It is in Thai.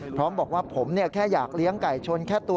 พร้อมบอกว่าผมแค่อยากเลี้ยงไก่ชนแค่ตัว